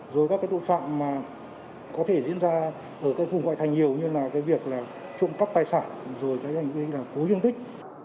rồi các tội phạm có thể diễn ra ở phùng ngoại thành nhiều như trụng cấp tài sản cố gương tích